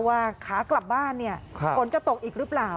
ว่าขากลับบ้านอดจะตกอีกหรือเปล่า